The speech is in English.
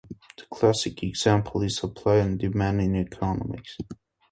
The classic example is supply and demand in economics.